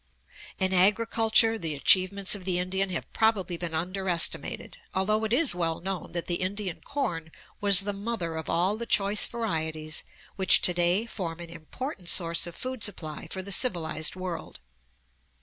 In agriculture the achievements of the Indian have probably been underestimated, although it is well known that the Indian corn was the mother of all the choice varieties which to day form an important source of food supply for the civilized world.